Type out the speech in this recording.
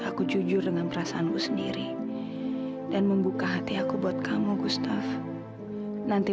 aku jujur dengan perasaanku sendiri dan membuka hati aku buat kamu gustaf nanti